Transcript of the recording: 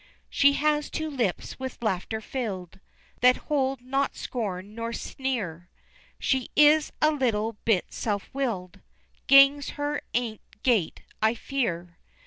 She has two lips with laughter filled, That hold not scorn nor sneer, She is a little bit self willed Gangs her ain gait, I fear.